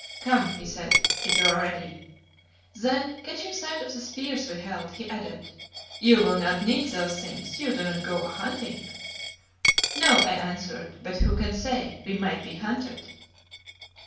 "Come," he said, "if you are ready." Then, catching sight of the spears we held, he added: "You will not need those things. You do not go a hunting." "No," I answered, "but who can say we might be hunted."